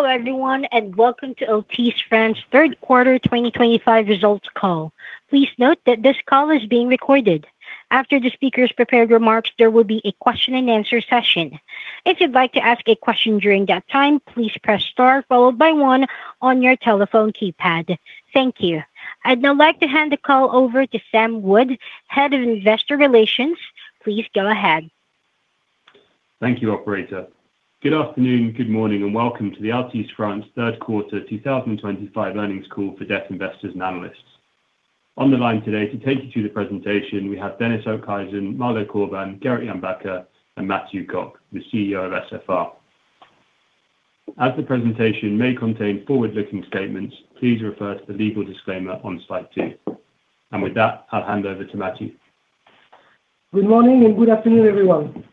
Hello, everyone, and welcome to Altice France's Third Quarter 2025 Results Call. Please note that this call is being recorded. After the speaker's prepared remarks, there will be a question-and-answer session. If you'd like to ask a question during that time, please press star followed by one on your telephone keypad. Thank you. I'd now like to hand the call over to Sam Wood, Head of Investor Relations. Please go ahead. Thank you, Operator. Good afternoon, good morning, and welcome to the Altice France Third Quarter 2025 Earnings Call for debt investors and analysts. On the line today to take you through the presentation, we have Gerrit Jan Bakker, Marlou Corbin, Dennis Okhuijsen, and Mathieu Cocq, the CEO of SFR. As the presentation may contain forward-looking statements, please refer to the legal disclaimer on slide two. With that, I'll hand over to Mathieu. Good morning and good afternoon, everyone.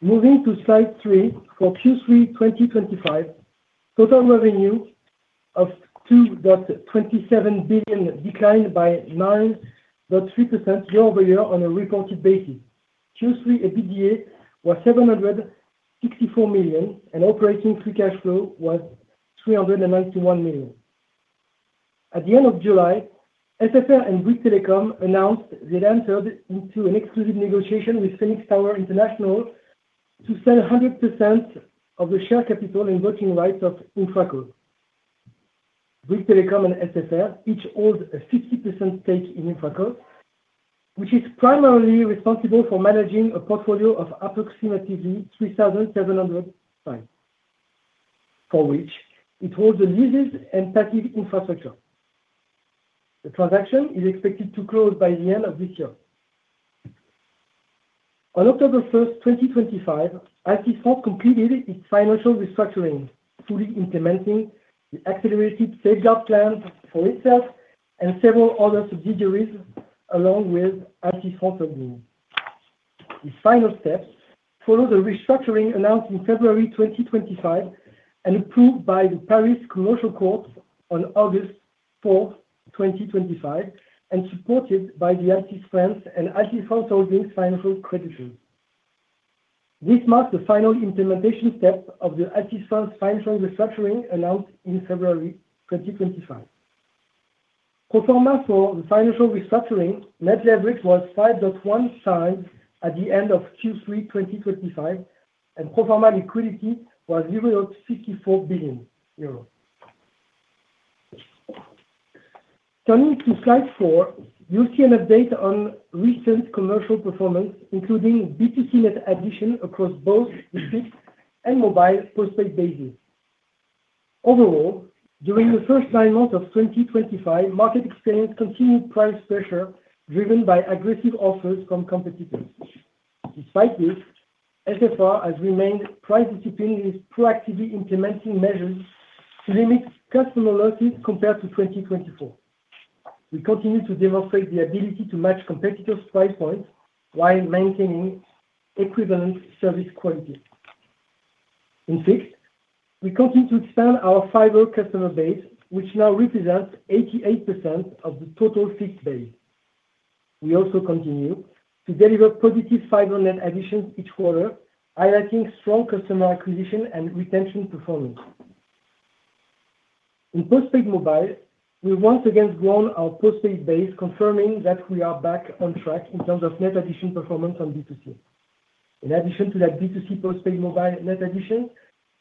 Moving to slide three, for Q3 2025, total revenue of 2.27 billion declined by 9.3% year-over-year on a reported basis. Q3 EBITDA was 764 million, and operating free cash flow was 391 million. At the end of July, SFR and Bouygues Telecom announced they entered into an exclusive negotiation with Phoenix Tower International to sell 100% of the share capital and voting rights of Infracos. Bouygues Telecom and SFR each hold a 50% stake in Infracos, which is primarily responsible for managing a portfolio of approximately 3,700, for which it holds the leases and passive infrastructure. The transaction is expected to close by the end of this year. On October 1st, 2025, Altice France completed its financial restructuring, fully implementing the accelerated safeguard plan for itself and several other subsidiaries, along with Altice France Holding. These final steps follow the restructuring announced in February 2025 and approved by the Paris Commercial Court on August 4th, 2025, and supported by the Altice France and Altice France Holding's financial creditors. This marks the final implementation step of the Altice France financial restructuring announced in February 2025. Pro forma for the financial restructuring, net leverage was 5.1x at the end of Q3 2025, and pro forma liquidity was 0.64 billion euros. Turning to slide four, you'll see an update on recent commercial performance, including BTCNET addition across both districts and mobile prospect bases. Overall, during the first nine months of 2025, market experienced continued price pressure driven by aggressive offers from competitors. Despite this, SFR has remained price disciplined, proactively implementing measures to limit customer losses compared to 2024. We continue to demonstrate the ability to match competitors' price points while maintaining equivalent service quality. In fixed, we continue to expand our fiber customer base, which now represents 88% of the total fixed base. We also continue to deliver positive fiber net additions each quarter, highlighting strong customer acquisition and retention performance. In postpaid mobile, we've once again grown our postpaid base, confirming that we are back on track in terms of net addition performance on B2C. In addition to that, B2C postpaid mobile net addition,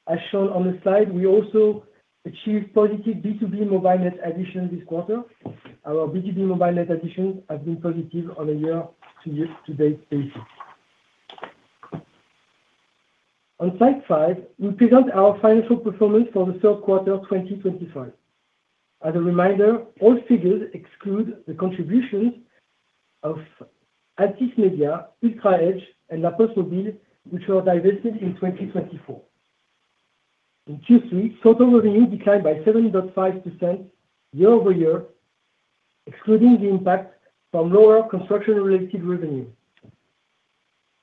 as shown on the slide, we also achieved positive B2B mobile net addition this quarter. Our B2B mobile net additions have been positive on a year-to-date basis. On slide five, we present our financial performance for the third quarter 2025. As a reminder, all figures exclude the contributions of Altice Media, UltraEdge, and La Poste Mobile, which were divested in 2024. In Q3, total revenue declined by 7.5% year-over-year, excluding the impact from lower construction-related revenue.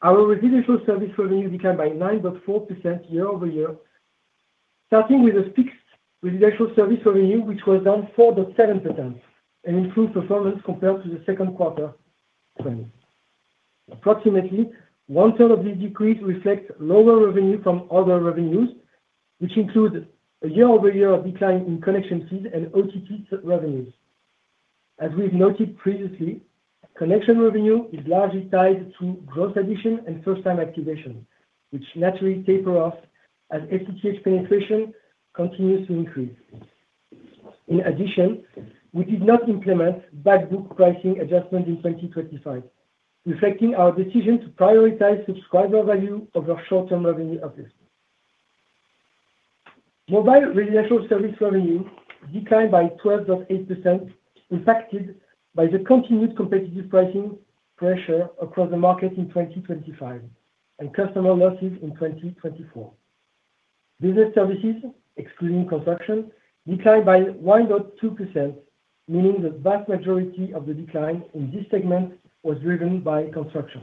Our residential service revenue declined by 9.4% year-over-year, starting with a fixed residential service revenue, which was down 4.7%, an improved performance compared to the second quarter trend. Approximately one-third of this decrease reflects lower revenue from other revenues, which include a year-over-year decline in connection fees and OTT revenues. As we've noted previously, connection revenue is largely tied to gross addition and first-time activation, which naturally taper off as FTTH penetration continues to increase. In addition, we did not implement backbook pricing adjustment in 2024, reflecting our decision to prioritize subscriber value over short-term revenue uplift. Mobile residential service revenue declined by 12.8%, impacted by the continued competitive pricing pressure across the market in 2024 and customer losses in 2024. Business services, excluding construction, declined by 1.2%, meaning the vast majority of the decline in this segment was driven by construction.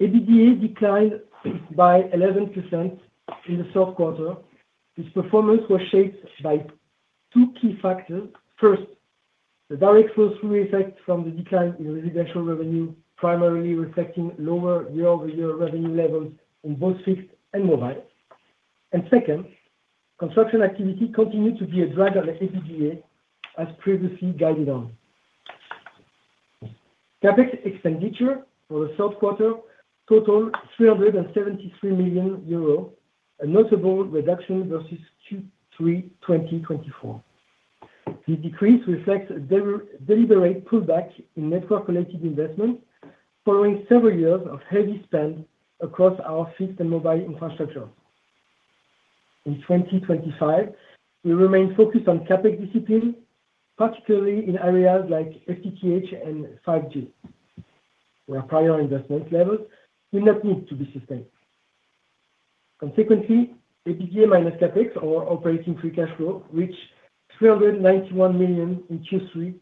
EBITDA declined by 11% in the third quarter. This performance was shaped by two key factors. First, the direct flow-through effect from the decline in residential revenue, primarily reflecting lower year-over-year revenue levels in both fixed and mobile. Second, construction activity continued to be a drag on the EBITDA, as previously guided on. CapEx expenditure for the third quarter totaled 373 million euro, a notable reduction versus Q3 2024. This decrease reflects a deliberate pullback in network-related investment following several years of heavy spend across our fixed and mobile infrastructure. In 2025, we remain focused on CapEx discipline, particularly in areas like FTTH and 5G, where prior investment levels do not need to be sustained. Consequently, EBITDA minus CapEx, or operating free cash flow, reached 391 million in Q3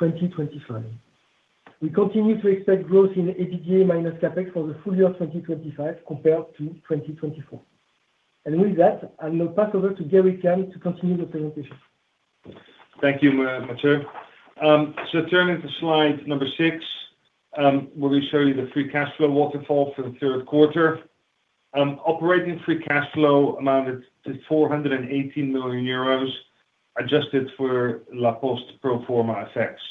2025. We continue to expect growth in EBITDA minus CapEx for the full year 2025 compared to 2024. With that, I'll now pass over to Gerrit Jan to continue the presentation. Thank you, Mathieu. Turning to slide number six, where we show you the free cash flow waterfall for the third quarter. Operating free cash flow amounted to 418 million euros, adjusted for La Poste pro forma effects.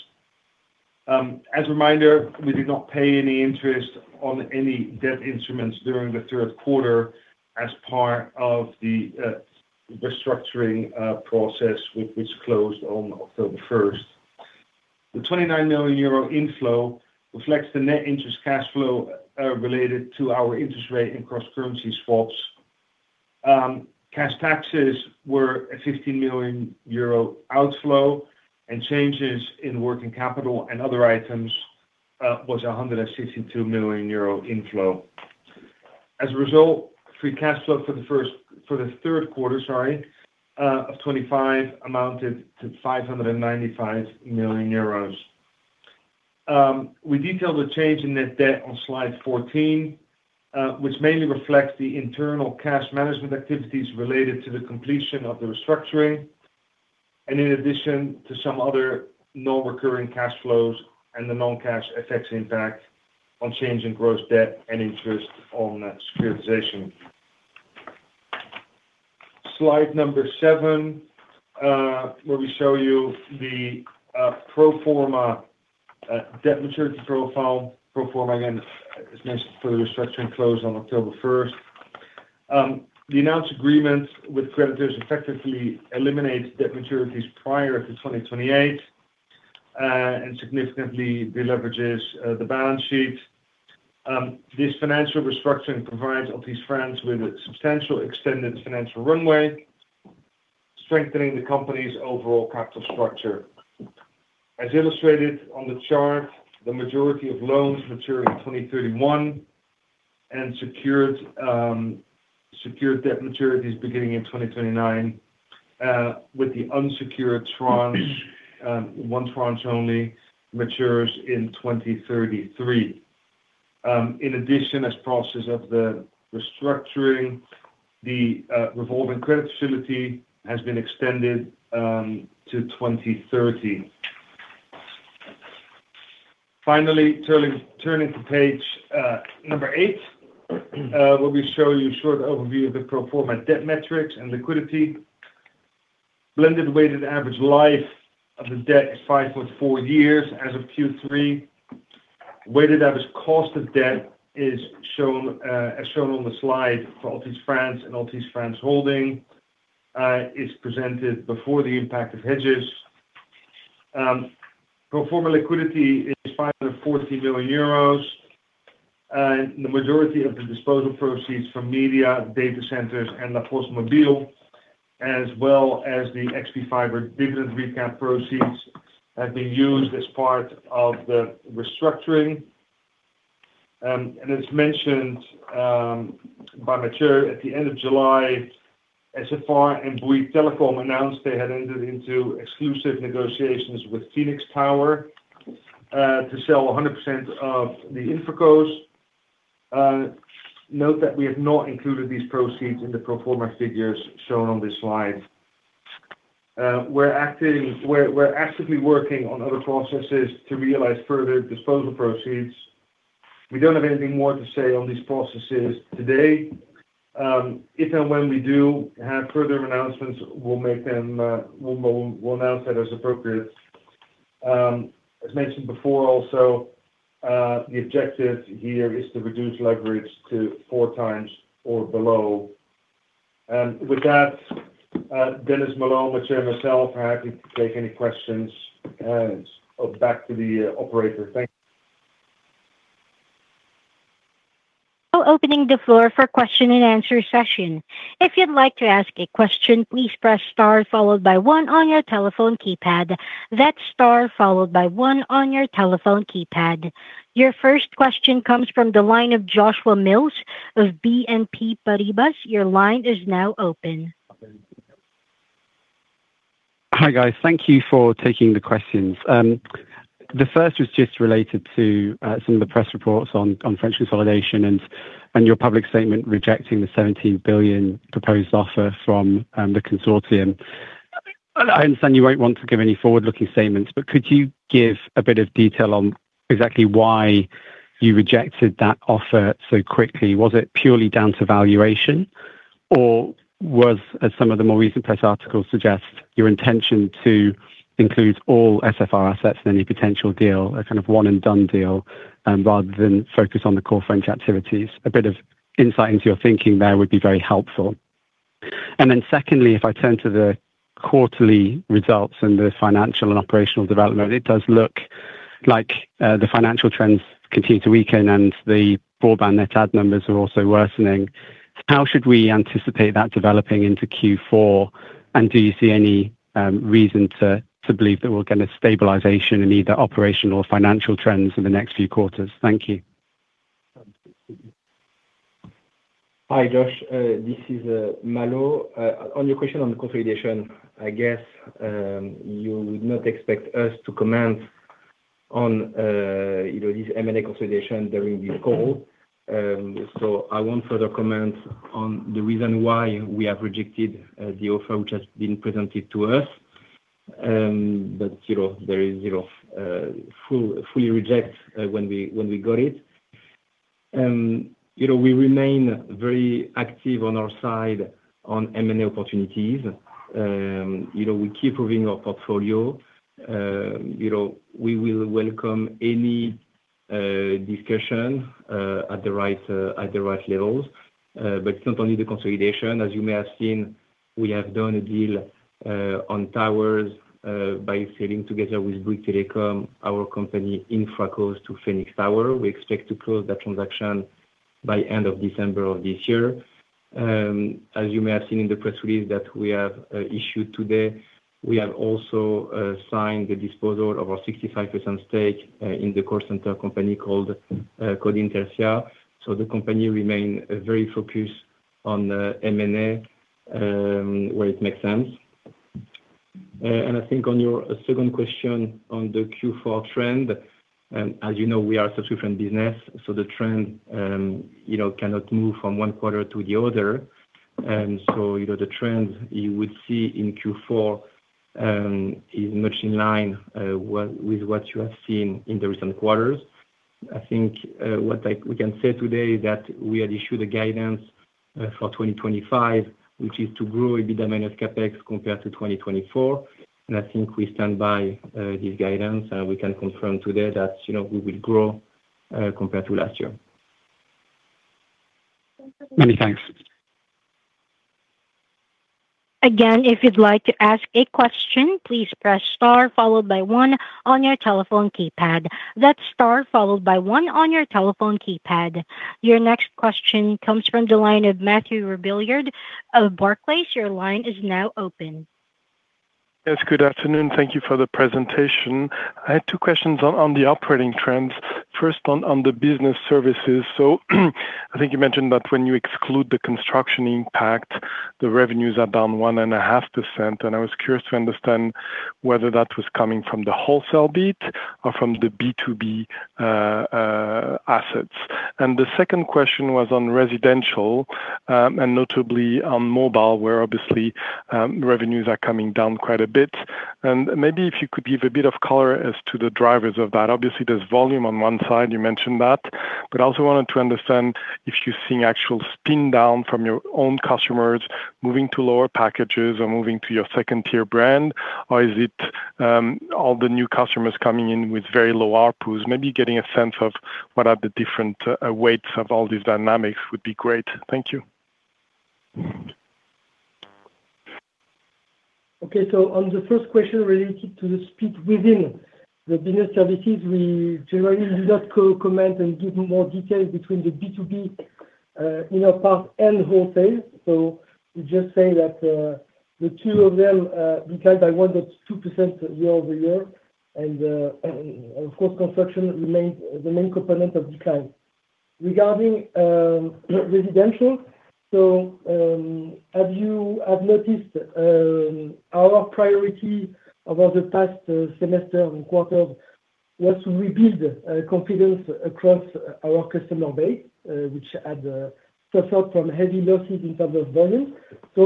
As a reminder, we did not pay any interest on any debt instruments during the third quarter as part of the restructuring process, which closed on October 1st. The 29 million euro inflow reflects the net interest cash flow related to our interest rate and cross-currency swaps. Cash taxes were a 15 million euro outflow, and changes in working capital and other items was a 162 million euro inflow. As a result, free cash flow for the third quarter of 2025 amounted to 595 million euros. We detailed the change in net debt on slide 14, which mainly reflects the internal cash management activities related to the completion of the restructuring, and in addition to some other non-recurring cash flows and the non-cash effects impact on change in gross debt and interest on securitization. Slide number seven, where we show you the pro forma debt maturity profile. Pro forma, again, as mentioned for the restructuring closed on October 1st. The announced agreement with creditors effectively eliminates debt maturities prior to 2028 and significantly deleverages the balance sheet. This financial restructuring provides Altice France with a substantial extended financial runway, strengthening the company's overall capital structure. As illustrated on the chart, the majority of loans matured in 2031 and secured debt maturities beginning in 2029, with the unsecured tranche, one tranche only, matures in 2033. In addition, as process of the restructuring, the revolving credit facility has been extended to 2030. Finally, turning to page number eight, where we show you a short overview of the pro forma debt metrics and liquidity. Blended weighted average life of the debt is 5.4 years as of Q3. Weighted average cost of debt is shown as shown on the slide for Altice France and Altice France Holding. It's presented before the impact of hedges. Pro forma liquidity is 540 million euros. The majority of the disposal proceeds from media, data centers, and La Poste Mobile, as well as the XP Fiber dividend recap proceeds, have been used as part of the restructuring. As mentioned by Matthieu at the end of July, SFR and Bouygues Telecom announced they had entered into exclusive negotiations with Phoenix Tower to sell 100% of the Infracos. Note that we have not included these proceeds in the pro forma figures shown on this slide. We're actively working on other processes to realize further disposal proceeds. We don't have anything more to say on these processes today. If and when we do have further announcements, we'll announce that as appropriate. As mentioned before, also, the objective here is to reduce leverage to four times or below. With that, Dennis Malone, Matthieu and myself are happy to take any questions. Back to the operator. Thank you. I'll open the floor for question and answer session. If you'd like to ask a question, please press star followed by one on your telephone keypad. That's star followed by one on your telephone keypad. Your first question comes from the line of Joshua Mills of BNP Paribas. Your line is now open. Hi, guys. Thank you for taking the questions. The first was just related to some of the press reports on French consolidation and your public statement rejecting the 17 billion proposed offer from the consortium. I understand you won't want to give any forward-looking statements, but could you give a bit of detail on exactly why you rejected that offer so quickly? Was it purely down to valuation, or was, as some of the more recent press articles suggest, your intention to include all SFR assets in any potential deal, a kind of one-and-done deal, rather than focus on the core French activities? A bit of insight into your thinking there would be very helpful. Secondly, if I turn to the quarterly results and the financial and operational development, it does look like the financial trends continue to weaken, and the broadband net add numbers are also worsening. How should we anticipate that developing into Q4? Do you see any reason to believe that we'll get a stabilization in either operational or financial trends in the next few quarters? Thank you. Hi, Josh. This is Marlou. On your question on the consolidation, I guess you would not expect us to comment on this M&A consolidation during this call. I will not further comment on the reason why we have rejected the offer, which has been presented to us. There is fully reject when we got it. We remain very active on our side on M&A opportunities. We keep proving our portfolio. We will welcome any discussion at the right levels. It is not only the consolidation. As you may have seen, we have done a deal on towers by selling together with Bouygues Telecom, our company, Infracos, to Phoenix Tower International. We expect to close that transaction by the end of December of this year. As you may have seen in the press release that we have issued today, we have also signed the disposal of our 65% stake in the call center company called Intelcia. The company remains very focused on M&A, where it makes sense. I think on your second question on the Q4 trend, as you know, we are a subscription business, so the trend cannot move from one quarter to the other. The trend you would see in Q4 is much in line with what you have seen in the recent quarters. I think what we can say today is that we had issued a guidance for 2025, which is to grow EBITDA minus CapEx compared to 2024. I think we stand by this guidance, and we can confirm today that we will grow compared to last year. Many thanks. Again, if you'd like to ask a question, please press star followed by one on your telephone keypad. That's star followed by one on your telephone keypad. Your next question comes from the line of Mathieu Robilliard of Barclays. Your line is now open. Yes, good afternoon. Thank you for the presentation. I had two questions on the operating trends. First, on the business services. I think you mentioned that when you exclude the construction impact, the revenues are down 1.5%. I was curious to understand whether that was coming from the wholesale beat or from the B2B assets. The second question was on residential and notably on mobile, where obviously revenues are coming down quite a bit. Maybe if you could give a bit of color as to the drivers of that. Obviously, there is volume on one side, you mentioned that. I also wanted to understand if you are seeing actual spin down from your own customers moving to lower packages or moving to your second-tier brand, or is it all the new customers coming in with very low RPUs? Maybe getting a sense of what are the different weights of all these dynamics would be great. Thank you. Okay. On the first question related to the split within the business services, we generally do not comment and give more details between the B2B inner part and wholesale. We just say that the two of them declined by 1.2% year over year. Of course, construction remains the main component of decline. Regarding residential, as you have noticed, our priority over the past semester and quarter was to rebuild confidence across our customer base, which had suffered from heavy losses in terms of volume. We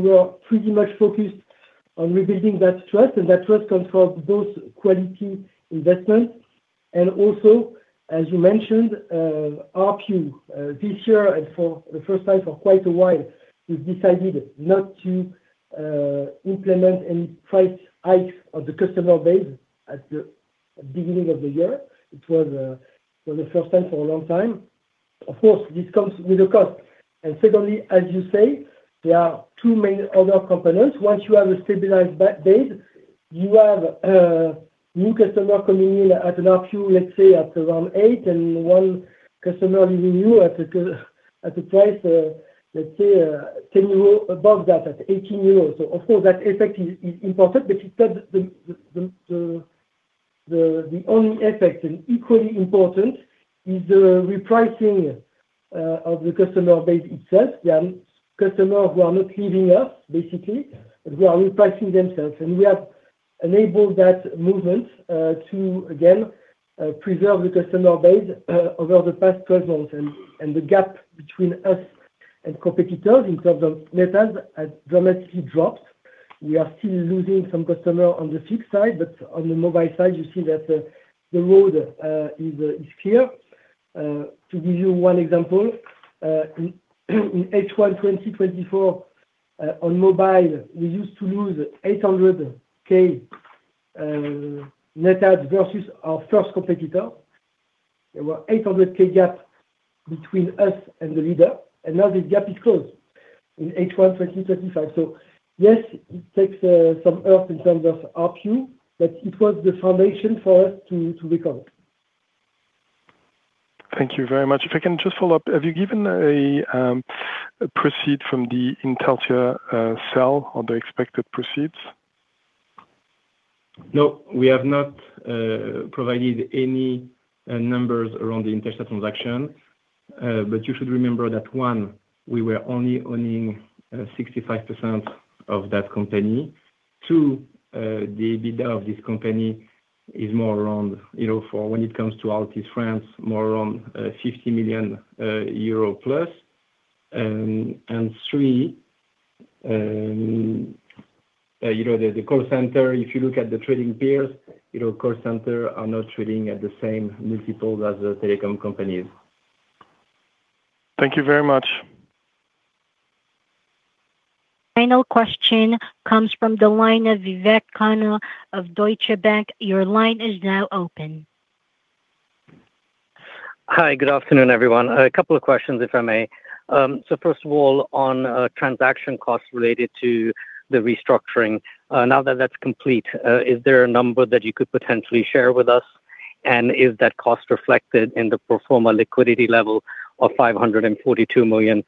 were pretty much focused on rebuilding that trust. That trust comes from both quality investment and also, as you mentioned, RPU. This year, and for the first time for quite a while, we have decided not to implement any price hikes on the customer base at the beginning of the year. It was the first time for a long time. Of course, this comes with a cost. Secondly, as you say, there are two main other components. Once you have a stabilized base, you have new customers coming in at an RPU, let's say, at around 8, and one customer leaving you at a price, let's say, 10 euros above that, at 18 euros. Of course, that effect is important, but it is not the only effect. Equally important is the repricing of the customer base itself. There are customers who are not leaving us, basically, who are repricing themselves. We have enabled that movement to, again, preserve the customer base over the past 12 months. The gap between us and competitors in terms of metals has dramatically dropped. We are still losing some customers on the fixed side, but on the mobile side, you see that the road is clear. To give you one example, in H1 2024 on mobile, we used to lose 800,000 net add versus our first competitor. There were 800,000 gap between us and the leader. Now this gap is closed in H1 2025. Yes, it takes some earth in terms of RPU, but it was the foundation for us to recover. Thank you very much. If I can just follow up, have you given a proceed from the Intelcia sale or the expected proceeds? No, we have not provided any numbers around the Intelcia transaction. You should remember that, one, we were only owning 65% of that company. Two, the EBITDA of this company is more around, for when it comes to Altice France, more around EUR 50 million plus. Three, the call center, if you look at the trading pairs, call centers are not trading at the same multiples as the telecom companies. Thank you very much. Final question comes from the line ofVivek Khanna of Deutsche Bank. Your line is now open. Hi, good afternoon, everyone. A couple of questions, if I may. First of all, on transaction costs related to the restructuring, now that that is complete, is there a number that you could potentially share with us? Is that cost reflected in the pro forma liquidity level of 542 million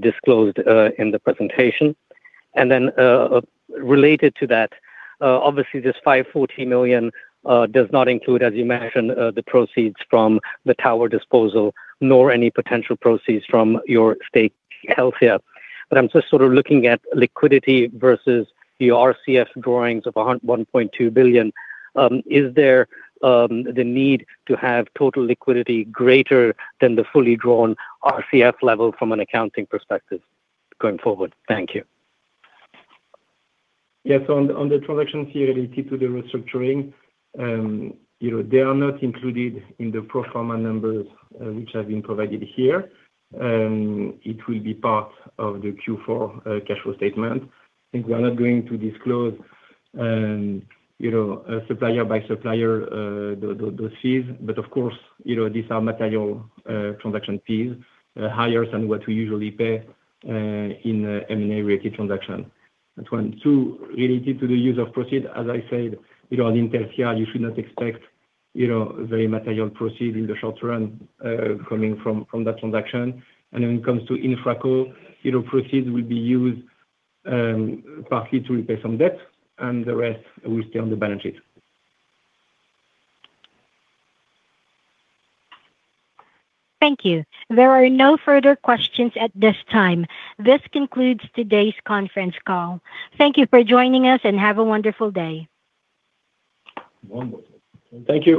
disclosed in the presentation? Related to that, obviously, this 540 million does not include, as you mentioned, the proceeds from the tower disposal, nor any potential proceeds from your stake held here. I am just sort of looking at liquidity versus your RCF drawings of 1.2 billion. Is there the need to have total liquidity greater than the fully drawn RCF level from an accounting perspective going forward? Thank you. Yes. On the transactions here related to the restructuring, they are not included in the pro forma numbers which have been provided here. It will be part of the Q4 cash flow statement. I think we are not going to disclose supplier by supplier those fees. Of course, these are material transaction fees, higher than what we usually pay in M&A-related transactions. That is one. Two, related to the use of proceeds, as I said, on Intelcia, you should not expect very material proceeds in the short run coming from that transaction. When it comes to Infracos, proceeds will be used partly to repay some debt, and the rest will stay on the balance sheet. Thank you. There are no further questions at this time. This concludes today's conference call. Thank you for joining us, and have a wonderful day. Thank you.